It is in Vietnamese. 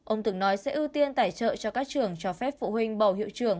ông từng nói sẽ ưu tiên tài trợ cho các trường cho phép phụ huynh bầu hiệu trưởng